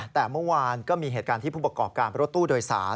แต่เมื่อวานก็มีเหตุการณ์ที่ผู้ประกอบการรถตู้โดยสาร